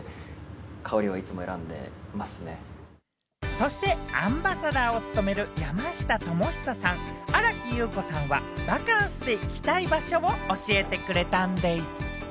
そしてアンバサダーを務める山下智久さん、新木優子さんはバカンスで行きたい場所を教えてくれたんでぃす！